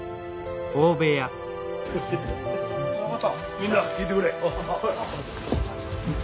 みんな聞いてくれ。